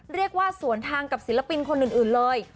เรียกว่าสวนทางกับศิลปินคนอื่นเลย